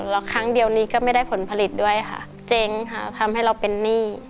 แล้วครั้งเดียวนี้ก็ไม่ได้ผลผลิตด้วยค่ะเจ๊งค่ะทำให้เราเป็นหนี้